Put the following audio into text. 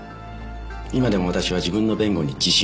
今でも私は自分の弁護に自信を持っています。